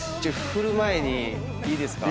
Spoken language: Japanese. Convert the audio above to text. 振る前にいいですか？